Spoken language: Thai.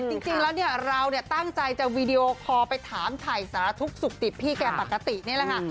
จริงแล้วเนี่ยเราเนี่ยตั้งใจจะวีดีโอคอลไปถามถ่ายสารทุกข์สุขติดพี่แกปกตินี่แหละค่ะ